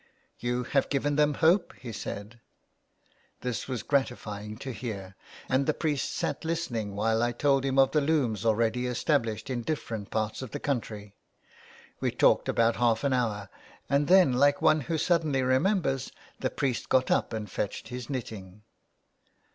" You have given them hope," he said. This was gratifying to hear, and the priest sat listening while I told him of the looms already es tablished in different parts of the country. We talked about half an hour, and then like one who suddenly remembers, the priest got up and fetched his knitting.